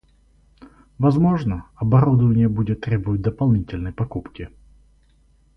Возможно, оборудование будет требовать дополнительной покупки